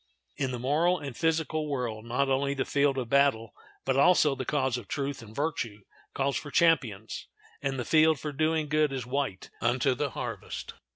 In the moral and physical world not only the field of battle but also the cause of truth and virtue calls for champions, and the field for doing good is white unto the harvest.